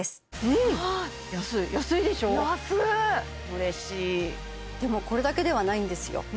嬉しいでもこれだけではないんですよ